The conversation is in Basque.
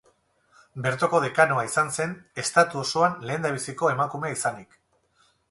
Bertoko dekanoa izan zen, estatu osoan lehendabiziko emakumea izanik.